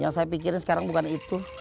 yang saya pikir sekarang bukan itu